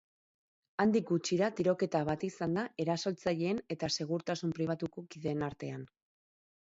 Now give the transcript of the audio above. Handik gutxira tiroketa bat izan da erasotzaileen eta segurtasun pribatuko kideen artean.